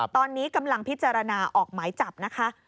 ตอนนี้กำลังพิจารณาออกหมายจับนะคะ